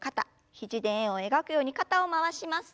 肘で円を描くように肩を回します。